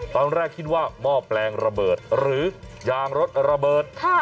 ตอนแรกคิดว่าหม้อแปลงระเบิดหรือยางรถระเบิด